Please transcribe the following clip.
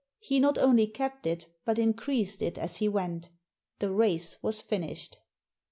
He not only kept it, but increased it as he went The race was finished.